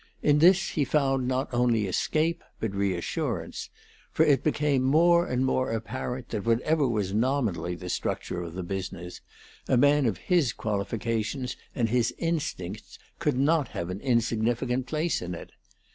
In this he found not only escape, but reassurance, for it became more and more apparent that whatever was nominally the structure of the business, a man of his qualifications and his instincts could not have an insignificant place in it.